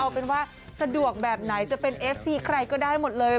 เอาเป็นว่าสะดวกแบบไหนจะเป็นเอฟซีใครก็ได้หมดเลย